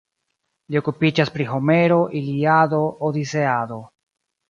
Li okupiĝas pri Homero, Iliado, Odiseado.